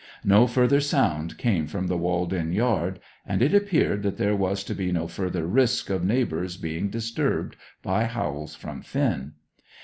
No further sound came from the walled in yard; and it appeared that there was to be no further risk of neighbours being disturbed by howls from Finn.